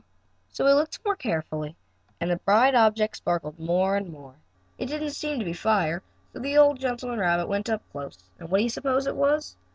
So he looked more carefully, and the bright object sparkled more and more, and it didn't seem to be fire, so the old gentleman rabbit went up close, and what do you suppose it was?